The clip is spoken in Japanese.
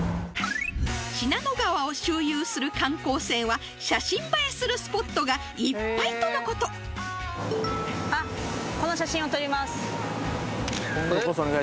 信濃川を周遊する観光船は写真映えするスポットがいっぱいとのことあっこの写真を撮りますあっ！